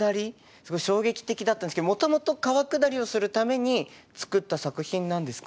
すごい衝撃的だったんですけどもともと川下りをするために作った作品なんですか？